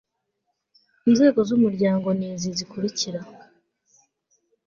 inzego z umuryango ni izi zikurikira